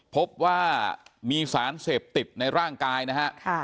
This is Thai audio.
พบว่ามีสารเสพติดในร่างกายนะฮะ